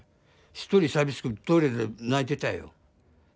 一人寂しくトイレで泣いてたよ。